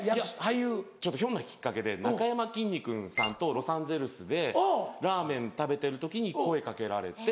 いやちょっとひょんなきっかけでなかやまきんに君さんとロサンゼルスでラーメン食べてる時に声掛けられて。